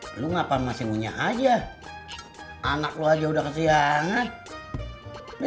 hai lu ngapa masih punya aja anak lo aja udah kesian nih